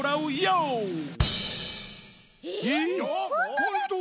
ほんとう？